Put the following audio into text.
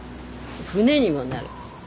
船にもなる。